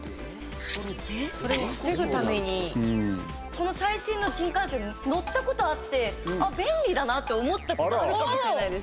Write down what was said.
この最新の新幹線に乗ったことあって「あ、便利だな」って思ったことあるかもしれないです。